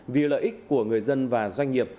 vì lợi ích của người dân và doanh nghiệp